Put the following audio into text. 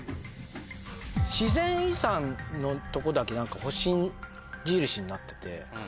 自然遺産のとこだけ星印になってて。